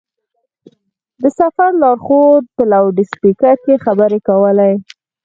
د سفر لارښود په لوډسپېکر کې خبرې کولې.